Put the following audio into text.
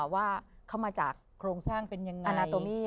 ว่าเขามาจากโครงสร้างเป็นยังไง